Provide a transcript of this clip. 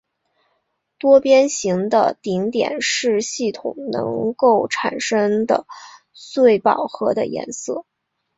多边形的顶点是系统能够产生的最饱和的颜色。